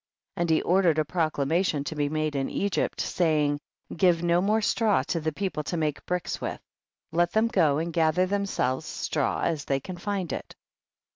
12. And he ordered a proclama tion to be made in Ecrypt, saving, give no more straw to the people to make bricks with, let them go and gather themselves straw as they can find it.